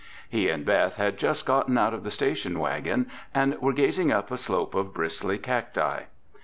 He and Beth had just gotten out of the station wagon and were gazing up a slope of bristly cacti.